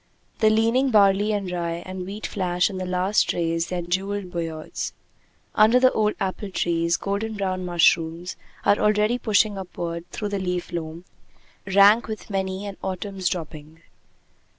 The leaning barley and rye and wheat flash in the last rays their jeweled beards. Under the old apple trees, golden brown mushrooms are already pushing upward through the leaf loam, rank with many an autumn's dropping.